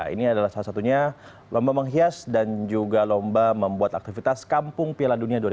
ini adalah salah satunya lomba menghias dan juga lomba membuat aktivitas kampung piala dunia dua ribu delapan belas